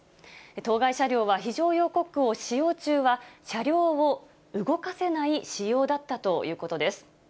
当該車両は非常用コックを使用中は、車両を動かせない仕様だったということです。